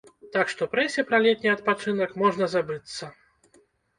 Так што прэсе пра летні адпачынак можна забыцца.